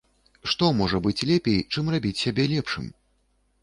Што можа быць лепей, чым рабіць сябе лепшым?